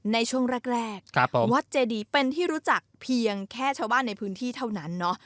ในช่วงแรกวัดเจดีเป็นที่รู้จักเพียงแค่ชาวบ้านในพื้นที่เท่านั้นเนาะ